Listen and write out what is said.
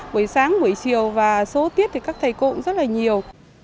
buổi sáng buổi chiều và số tiết thì các thầy cô cũng rất là nhiều